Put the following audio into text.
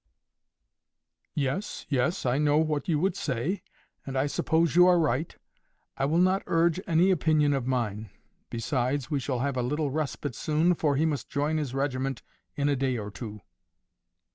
"Yes, yes, I know what you would say; and I suppose you are right. I will not urge any opinion of mine. Besides, we shall have a little respite soon, for he must join his regiment in a day or two."